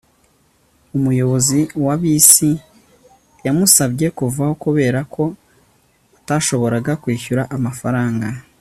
umuyobozi wa bisi yamusabye kuvaho kubera ko atashoboraga kwishyura amafaranga